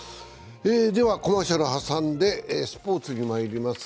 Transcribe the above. コマーシャルを挟んでスポーツにまいります。